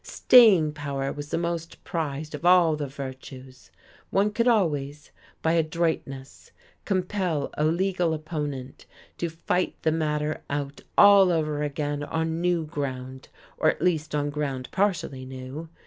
Staying power was the most prized of all the virtues. One could always, by adroitness, compel a legal opponent to fight the matter out all over again on new ground, or at least on ground partially new.